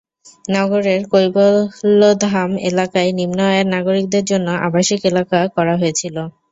নগরের কৈবল্যধাম এলাকায় নিম্ন আয়ের নাগরিকদের জন্য আবাসিক এলাকা করা হয়েছিল।